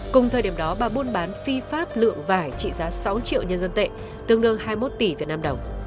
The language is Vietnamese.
cùng thời điểm đó bà buôn bán phi pháp lượng vải trị giá sáu triệu nhân dân tệ tương đương hai mươi một tỷ việt nam đồng